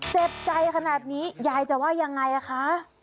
เจ็บใจขนาดนี้ยายจะว่ายังไงคะ